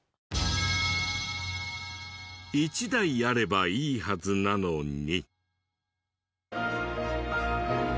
１台あればいいはずなのに。